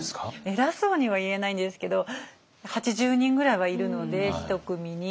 偉そうには言えないんですけど８０人ぐらいはいるので１組に。